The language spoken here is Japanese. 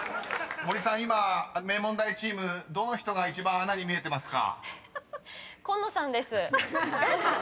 ［森さん名門大チーム今どこが一番穴に見えてますか？］